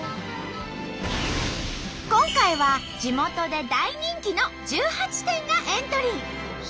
今回は地元で大人気の１８店がエントリー。